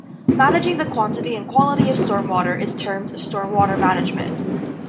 Managing the quantity and quality of stormwater is termed, Stormwater Management.